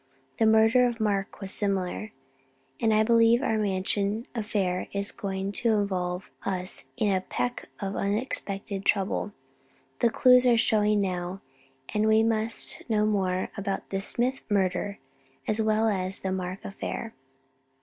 The murder of Mark was similar, and I believe our Mansion affair is going to involve us in a peck of unexpected trouble. The clues are showing now, and we must know more about the Smith murder, as well as the Mark affair."